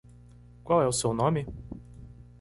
Qual é o seu nome?